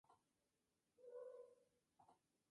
Sus flores son blancas y a veces con matices rosados.